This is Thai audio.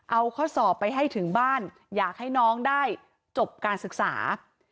เอาข้อสอบไปให้ถึงบ้านอยากให้น้องได้จบการศึกษา